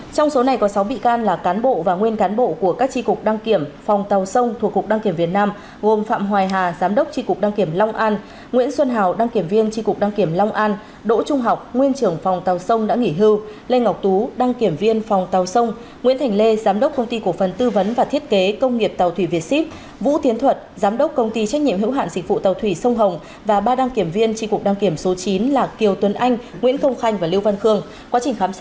trong số này có sáu bị can là cán bộ và nguyên cán bộ của các tri cục đăng kiểm phòng tàu sông thuộc cục đăng kiểm việt nam gồm phạm hoài hà giám đốc tri cục đăng kiểm long an nguyễn xuân hào đăng kiểm viên tri cục đăng kiểm long an đỗ trung học nguyên trưởng phòng tàu sông đã nghỉ hư lê ngọc tú đăng kiểm viên phòng tàu sông nguyễn thành lê giám đốc công ty cổ phần tư vấn và thiết kế công nghiệp tàu thủy việt xíp vũ tiến thuật giám đốc công ty trách nhiệm hữu hạn sinh phụ tà